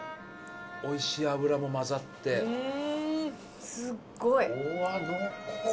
おいしい脂も混ざってうんすっごい